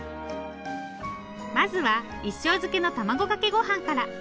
まずは一升漬けの卵かけ御飯から。